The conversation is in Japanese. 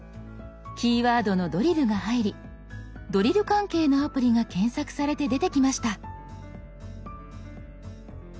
キーワードの「ドリル」が入りドリル関係のアプリが検索されて出てきました。